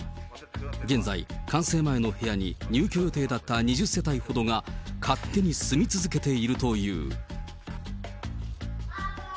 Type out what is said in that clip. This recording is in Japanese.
現在、完成前の部屋に入居予定だった２０世帯ほどが勝手に住み続けているという。